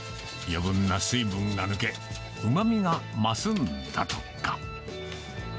余分な水分が抜け、うまみが増すんだとか。